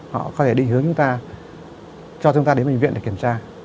họ có thể định hướng chúng ta cho chúng ta đến bệnh viện để kiểm tra